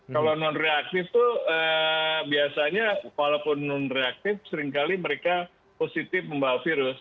kalau non reaktif tuh biasanya walaupun non reaktif seringkali mereka positif membawa virus